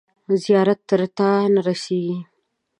زیارت تر تاته نه رسیږي.